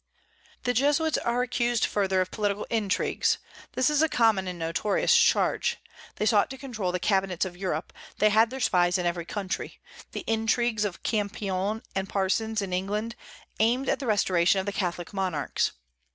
The Jesuits are accused further of political intrigues; this is a common and notorious charge. They sought to control the cabinets of Europe; they had their spies in every country. The intrigues of Campion and Parsons in England aimed at the restoration of Catholic monarchs.